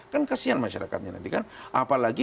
kan kasihan masyarakatnya nanti kan apalagi